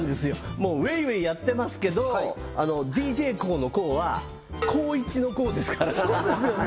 もうウェイウェイやってますけどＤＪＫＯＯの「コー」は浩一の「コー」ですからそうですよね！